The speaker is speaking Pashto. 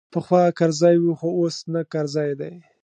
پخوا کرزی وو خو اوس نه کرزی دی.